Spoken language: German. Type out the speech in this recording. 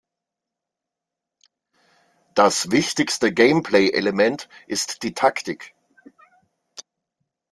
Das wichtigste Gameplay-Element ist die Taktik.